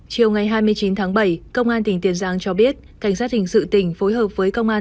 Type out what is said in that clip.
chiều ngày hai mươi chín tháng bảy công an tỉnh tiền giang cho biết cảnh sát hình sự tỉnh phối hợp với công an